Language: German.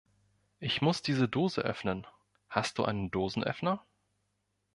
Ich muss diese Dose öffnen. Hast du einen Dosenöffner?